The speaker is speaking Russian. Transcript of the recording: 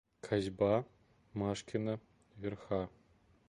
Косьба Машкина Верха.